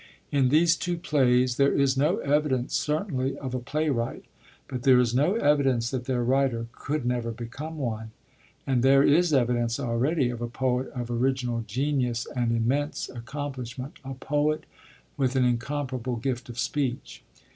In these two plays there is no evidence, certainly, of a playwright; but there is no evidence that their writer could never become one. And there is evidence already of a poet of original genius and immense accomplishment, a poet with an incomparable gift of speech.